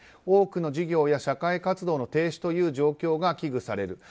多くの事業や社会活動の停止という状況が危惧される。